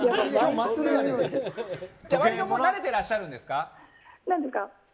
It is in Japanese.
割ともう慣れてらっしゃるんですか？